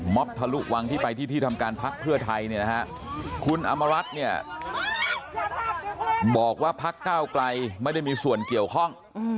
ม๊อบทะลุวังที่ไปที่ที่ทำการพักเพื่อไทยคุณอำมารัฐบอกว่าพักก้าวไกลไม่ได้มีส่วนเกี่ยวข้อง